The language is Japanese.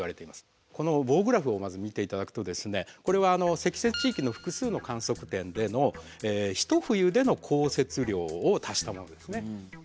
この棒グラフをまず見て頂くとこれは積雪地域の複数の観測点での一冬での降雪量を足したものですね。